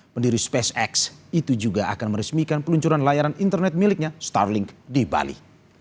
pendiri spacex itu juga akan meresmikan peluncuran layanan internet miliknya starling di bali